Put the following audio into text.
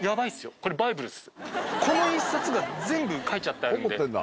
この１冊が全部書いちゃってあるんで。